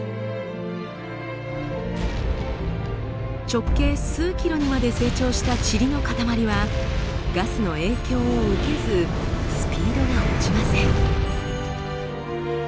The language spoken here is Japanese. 直径数ｋｍにまで成長したチリのかたまりはガスの影響を受けずスピードが落ちません。